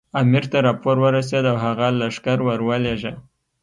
امیر ته راپور ورسېد او هغه لښکر ورولېږه.